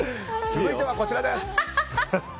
続いては、こちらです！